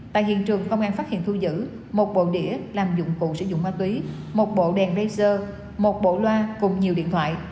tại hiện trường công an phát hiện thu giữ một bộ đĩa làm dụng cụ sử dụng ma túy một bộ đèn plaser một bộ loa cùng nhiều điện thoại